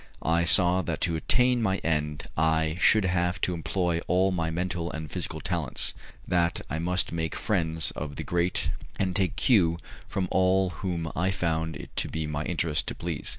I saw that to attain my end I should have to employ all my mental and physical talents, that I must make friends of the great, and take cue from all whom I found it to be my interest to please.